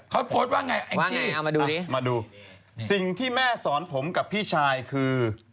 เขาโพสต์ว่าไงแองจี้มาดูสิ่งที่แม่สอนผมกับพี่ชายคือ